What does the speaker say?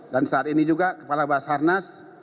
dan saat ini juga kepala bas harnas